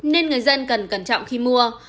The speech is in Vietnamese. nên người dân cần cẩn trọng khi mua